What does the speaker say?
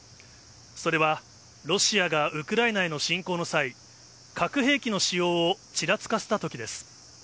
それはロシアがウクライナへの侵攻の際、核兵器の使用をちらつかせたときです。